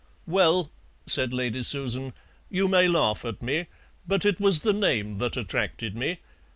"Well," said Lady Susan, "you may laugh at me, but it was the name that attracted me.